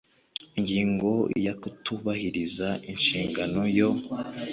Ingingo ya Kutubahiriza inshingano yo